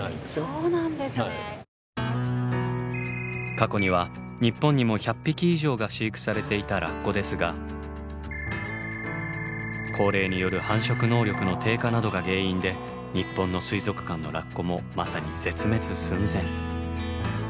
過去には日本にも１００匹以上が飼育されていたラッコですが高齢による繁殖能力の低下などが原因で日本の水族館のラッコもまさに絶滅寸前。